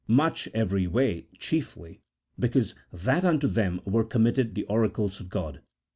Much every way : chiefly, because that unto them were committed the oracles of God."